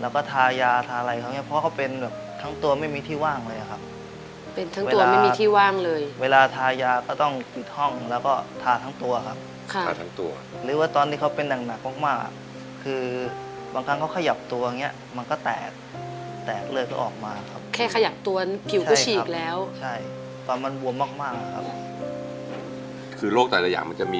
แล้วก็ทายาทาอะไรเขาเนี่ยเพราะเขาเป็นแบบทั้งตัวไม่มีที่ว่างเลยครับเป็นทั้งตัวไม่มีที่ว่างเลยเวลาทายาก็ต้องปิดห้องแล้วก็ทาทั้งตัวครับค่ะทั้งตัวหรือว่าตอนที่เขาเป็นหนักมากคือบางครั้งเขาขยับตัวเนี่ยมันก็แตกแตกเลยก็ออกมาครับแค่ขยับตัวผิวก็ฉีกแล้วใช่ตอนมันบวมมากครับคือโรคตายระยะมันจะม